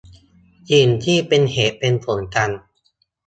สิ่งที่เป็นเหตุเป็นผลกัน